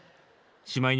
しまいには